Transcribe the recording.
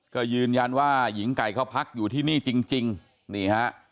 ก็ยืนยันว่าหญิงไก่เขาพักอยู่ที่นี่จริงจริงนี่ฮะ